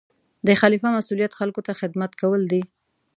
د خلیفه مسؤلیت خلکو ته خدمت کول دي.